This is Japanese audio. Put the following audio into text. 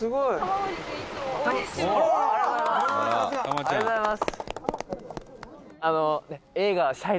「ありがとうございます！」